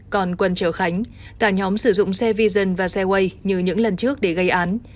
còn quân chở khánh cả nhóm sử dụng xe vision và xe way như những lần trước để gây án